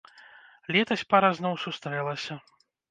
Летась пара зноў сустрэлася.